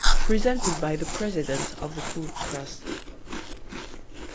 (Presented by the President of the Food Trust.)